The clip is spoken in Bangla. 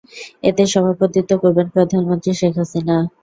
এতে সভাপতিত্ব করবেন প্রধানমন্ত্রী শেখ হাসিনা।